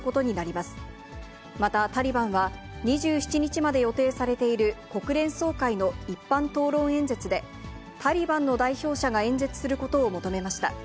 また、タリバンは、２７日まで予定されている国連総会の一般討論演説で、タリバンの代表者が演説することを求めました。